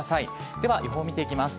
では予報見ていきます。